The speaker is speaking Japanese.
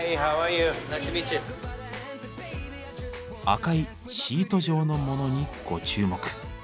赤いシート状のモノにご注目。